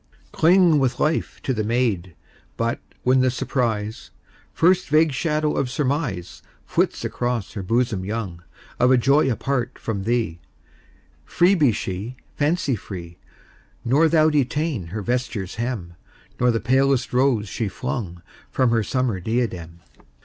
Cling with life to the maid; But when the surprise, First vague shadow of surmise Flits across her bosom young, Of a joy apart from thee, Free be she, fancy free; Nor thou detain her vesture's hem, Nor the palest rose she flung From her summer diadem.